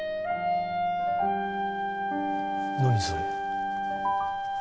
何それ？